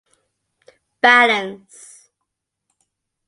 Balance.